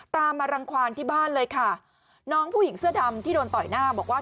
ตามมารังความที่บ้านเลยค่ะน้องผู้หญิงเสื้อดำที่โดนต่อยหน้าบอกว่า